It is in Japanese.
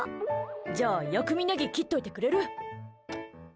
じゃあ薬味ネギ切っといてくれる？